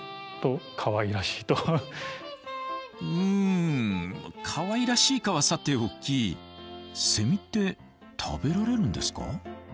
うんかわいらしいかはさておきセミって食べられるんですか？